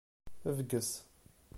Bges.